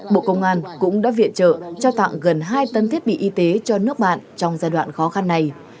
bộ công an cũng đã viện trợ trao tặng gần hai tấn thiết bị y tế cho nước bạn trong giai đoạn khó khăn này